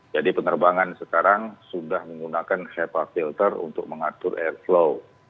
jadi penerbangan sekarang sudah menggunakan hepa filter untuk mengatur air flow